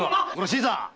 新さん。